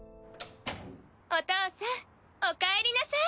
お父さんお帰りなさい！